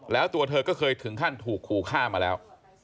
แล้วตัวเธอก็เคยถึงขั้นถูกขู่ฆ่ามาแล้ว